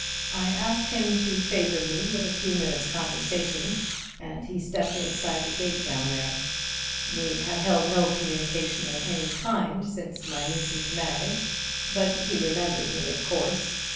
I asked him to favor me with a few minutes' conversation, and he stepped inside the gate down there. We had held no communication of any kind since my niece's marriage, but he remembered me, of course.